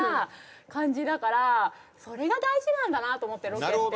ロケって。